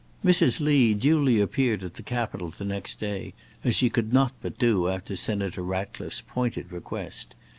Mrs. Lee duly appeared at the Capitol the next day, as she could not but do after Senator Ratcliffe's pointed request.